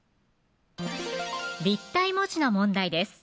立体文字の問題です